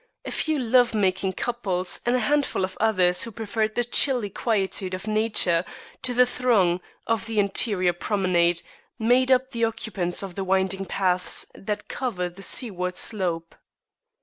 A few love making couples and a handful of others who preferred the chilly quietude of Nature to the throng of the interior promenade, made up the occupants of the winding paths that cover the seaward slope.